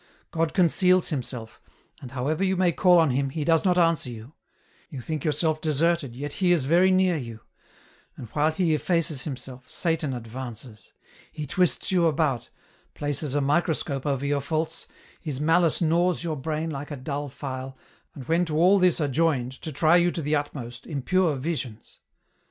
" God conceals Himself, and however you may call on Him, He does not answer you. You think your self deserted, yet He is very near you ; and while He effaces Himself, Satan advances. He twists you about, places a microscope over your faults, his malice gnaws your brain like a duU file, and when to all this are joined, to try you to the utmost, impure visions.